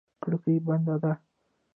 کړکۍ بنده ده.